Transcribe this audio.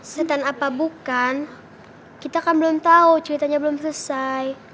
setan apa bukan kita kan belum tahu cuitannya belum selesai